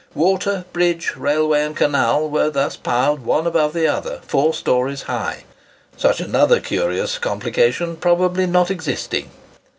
Water, bridge; railway, and canal, were thus piled one above the other, four stories high; such another curious complication probably not existing.